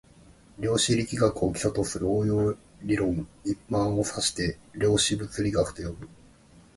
量子力学を基礎とする応用理論一般を指して量子物理学と呼ぶ